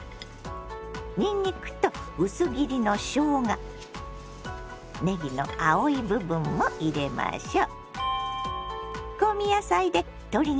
にんにくと薄切りのしょうがねぎの青い部分も入れましょう。